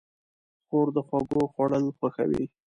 خور د خوږو خوړل خوښوي.